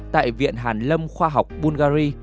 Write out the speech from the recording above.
tại viện hàn lâm khoa học bungary